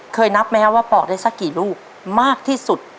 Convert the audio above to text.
นับไหมครับว่าปอกได้สักกี่ลูกมากที่สุด